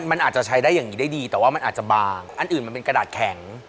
มันอาจจะใช้ได้อย่างนี้ได้ดีแต่ว่ามันอาจจะบางอันอื่นมันเป็นกระดาษแข็ง